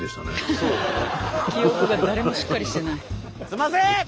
すんません！